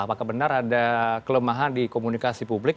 apakah benar ada kelemahan di komunikasi publik